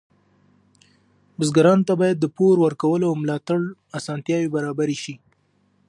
بزګرانو ته باید د پور ورکولو او ملاتړ اسانتیاوې برابرې شي.